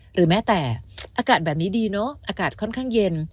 หรือแม้แต่อากาศแบบนี้ดีเนอะอากาศค่อนข้างเย็น